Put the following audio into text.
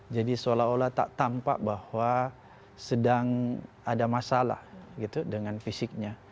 jadi seolah olah tak tampak bahwa sedang ada masalah dengan fisiknya